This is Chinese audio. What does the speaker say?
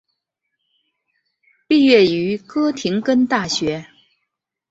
毕业于哥廷根大学。